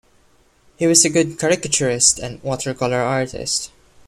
He was a good caricaturist and watercolour artist.